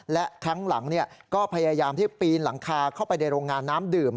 และครั้งหลังก็พยายามที่ปีนหลังคาเข้าไปในโรงงานน้ำดื่ม